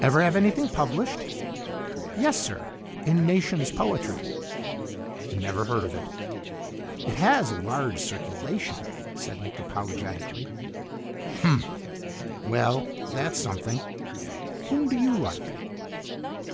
"Ever have anything published?" "Yes, sir. In Nation's Poetry." "Never heard of it." "It has a large circulation," said Nick apologetically. "Humph! Well, that's something. Whom do you like?"